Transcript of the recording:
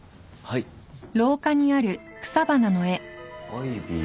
アイビー。